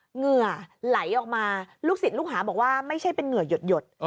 เหงื่อไหลออกมาลูกศิษย์ลูกหาบอกว่าไม่ใช่เป็นเหงื่อหยด